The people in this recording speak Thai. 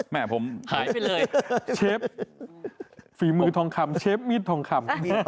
แม่ผมหายไปเลยเชฟฝีมือทองคำเชฟมิดทองคำ